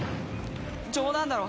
冗談だろ！